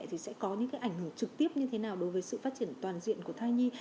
thì sẽ có những cái ảnh hưởng trực tiếp như thế nào đối với sự phát triển toàn diện của thai nhi